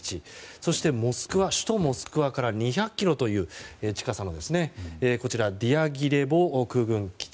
そして首都モスクワから２００ｋｍという近さのディアギレボ空軍基地。